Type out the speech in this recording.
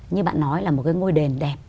như bạn nói là một cái ngôi đền đẹp